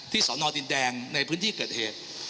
สอนอดินแดงในพื้นที่เกิดเหตุ